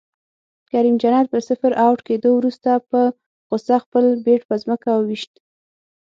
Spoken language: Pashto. کریم جنت په صفر اؤټ کیدو وروسته په غصه خپل بیټ په ځمکه وویشت